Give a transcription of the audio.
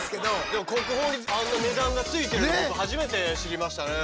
でも国宝にあんな値段がついてるの初めて知りましたね。